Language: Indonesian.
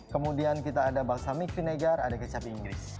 kemudian kita ada balsamic vinegar ada kecap inggris